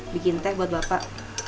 bikin teh buat bapak